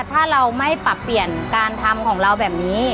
ถ้าเราไม่ปรับเปลี่ยนการทำของเราแบบนี้